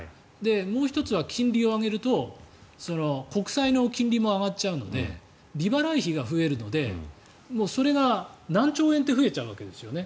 もう１つは金利を上げると国債の金利も上がっちゃうので利払い費が増えるのでそれが何兆円って増えちゃうわけですよね。